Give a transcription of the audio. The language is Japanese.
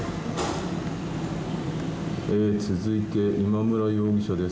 続いて今村容疑者です。